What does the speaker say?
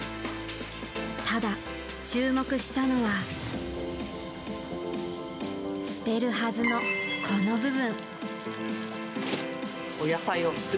ただ注目したのは捨てるはずの、この部分。